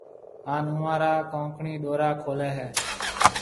ھان اوئون را ڪونڪڻ ڏورا کوليَ ھيََََ